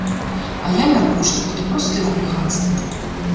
А я мяркую, што гэта простае хуліганства.